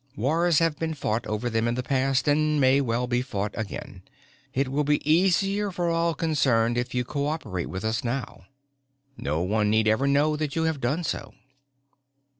Wars have been fought over them in the past and may well be fought again. It will be easier for all concerned if you cooperate with us now. No one need ever know that you have done so."